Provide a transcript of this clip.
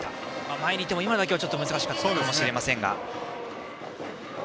前にいても今の打球は難しかったかもしれませんが。